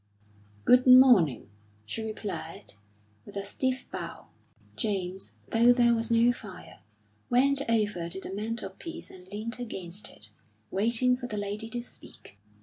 "Good morning," she replied, with a stiff bow. James, though there was no fire, went over to the mantelpiece and leant against it, waiting for the lady to speak.